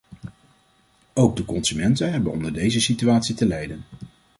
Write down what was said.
Ook de consumenten hebben onder deze situatie te lijden.